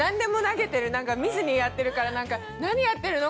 見ずにやってるからなんか「何やってるの？